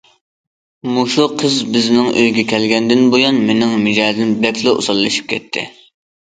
مۇشۇ قىز بىزنىڭ ئۆيگە كەلگەندىن بۇيان مېنىڭ مىجەزىم بەكلا ئوساللىشىپ كەتتى.